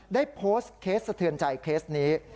ได้โพสต์เคสสะเทือนใจเคสนี้